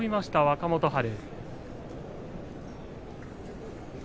若元春。